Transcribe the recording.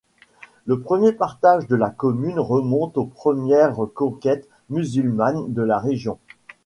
Le premier partage de la commune remonte aux premières conquêtes musulmanes de la région.